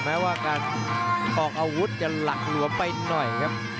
แม้ว่าการออกอาวุธจะหลักหลวมไปหน่อยครับ